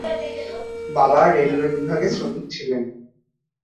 বাবা রেলওয়ে বিভাগে শ্রমিক ছিলেন।